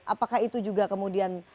apakah itu juga kemudian